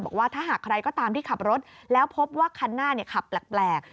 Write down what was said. บอกว่าถ้าหากใครก็ตามที่ขับรถแล้วพบว่าคันหน้าขับแปลก